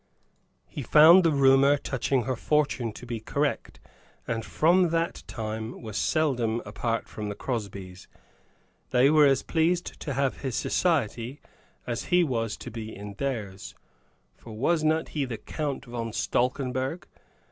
He found the rumor touching her fortune to be correct, and from that time was seldom apart from the Crosbys. They were as pleased to have his society as he was to be in theirs, for was he not the Count von Stalkenberg?